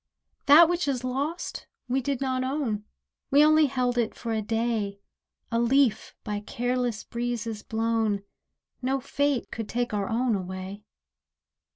That which is lost we did not own; We only held it for a day— A leaf by careless breezes blown; No fate could take our own away.